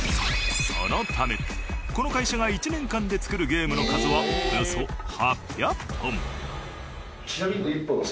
そのためこの会社が１年間で作るゲームの数はおよそ８００本。